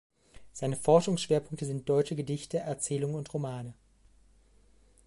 Seine Forschungsschwerpunkte sind deutsche Gedichte, Erzählungen und Romane.